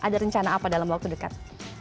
ada rencana apa dalam waktu dekat